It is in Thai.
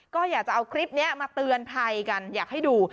ก็อยากจะเอาคลิปนี้มาเตือนภัยกันอยากให้ดู